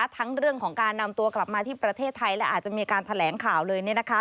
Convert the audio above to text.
ทั้งเรื่องของการนำตัวกลับมาที่ประเทศไทยและอาจจะมีการแถลงข่าวเลย